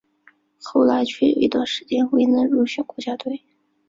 后来却有一后时间未能入选国家队。